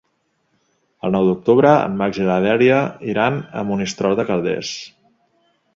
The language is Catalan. El nou d'octubre en Max i na Dèlia iran a Monistrol de Calders.